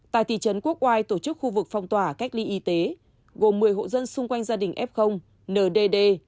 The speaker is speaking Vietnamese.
tại thị trấn quốc oai tổ chức khu vực phong tỏa cách ly y tế gồm một mươi hộ dân xung quanh gia đình f ndd